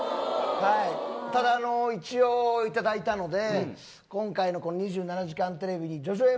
ただ、一応いただいたので今回の「２７時間テレビ」に叙々苑